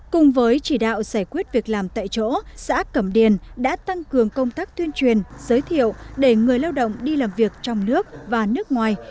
cùng với chỉ đạo giải quyết việc làm tại chỗ xã cẩm điền đã tăng cường công tác tuyên truyền giới thiệu để người lao động đi làm việc trong nước và nước ngoài